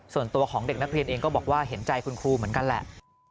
ส่วนตัวของเด็กนักเรียนเองก็บอกว่าเห็นใจคุณครูเหมือนกันแหละ